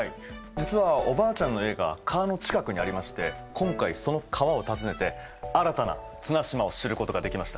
実はおばあちゃんの家が川の近くにありまして今回その川を訪ねて新たな綱島を知ることができました。